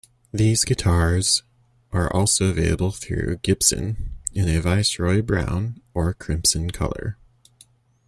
These guitars are also available through Gibson, in a viceroy Brown or Crimson colour.